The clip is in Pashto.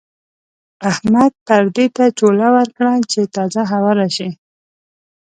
احمد پردې ته چوله ورکړه چې تازه هوا راشي.